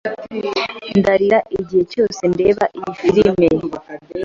Ndarira igihe cyose ndeba iyi firime.